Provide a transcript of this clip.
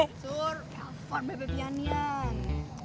telepon bebep ian ian